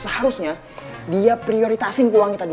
harusnya dia prioritasin keuangan kita dulu